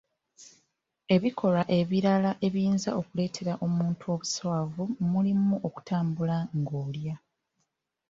Ebikolwa ebirala ebiyinza okuleetera omuntu obuswavu mulimu okutambula ng'olya.